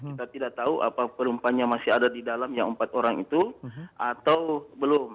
kita tidak tahu apa perempuannya masih ada di dalam yang empat orang itu atau belum